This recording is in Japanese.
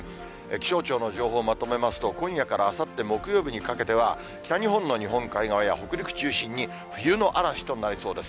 気象庁の情報をまとめますと、今夜からあさって木曜日にかけては、北日本の日本海側や北陸中心に、冬の嵐となりそうです。